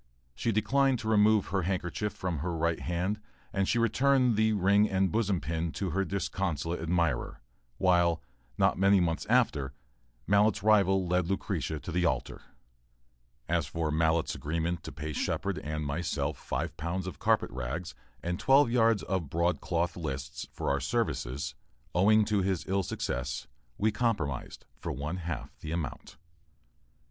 She declined to remove her handkerchief from her right hand and she returned the "ring and bosom pin" to her disconsolate admirer, while, not many months after, Mallett's rival led Lucretia to the altar. As for Mallett's agreement to pay Shepard and myself five pounds of carpet rags and twelve yards of broadcloth "lists," for our services, owing to his ill success, we compromised for one half the amount.